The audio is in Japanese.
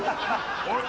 あれ？